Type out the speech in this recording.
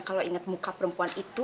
kalau ingat muka perempuan itu